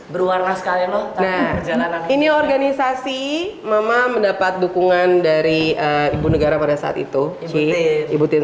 berwarna sekali loh nah jalanan ini organisasi mama mendapat dukungan dari ibu negara pada saat itu ibu tir